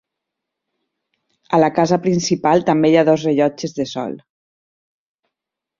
A la casa principal també hi ha dos rellotges de sol.